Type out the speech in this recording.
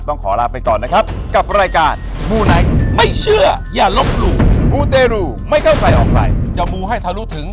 ต้องขอลาไปก่อนนะครับกับรายการ